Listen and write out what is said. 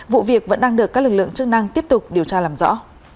vụ việc vẫn đang được các lực lượng chức năng tiếp tục điều tra làm rõ